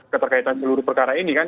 keterkaitan seluruh perkara ini kan